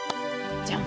じゃん。